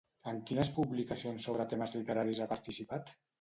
En quines publicacions sobre temes literaris ha participat?